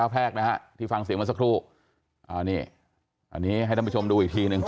แพร่กนะฮะที่ฟังเสียงเมื่อสักครู่อ่านี่อันนี้ให้ท่านผู้ชมดูอีกทีหนึ่ง